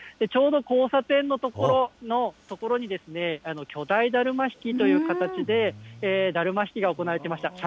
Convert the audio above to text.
ちょうど交差点のところに、巨大ダルマ引きという形で、ダルマ引きが行われていました。